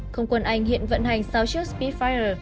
không quân anh hiện vận hành sáu chiếc spitfire